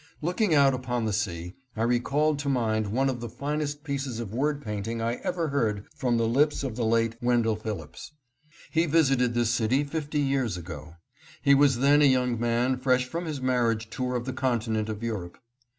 Looking out upon the sea I recalled to mind one of the finest pieces of word painting I ever heard from the lips of the late Wendell Phillips. He visited this city fifty years ago. He was then a young man fresh from his marriage tour of the continent of Europe.